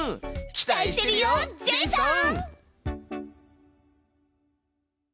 期待してるよジェイソン！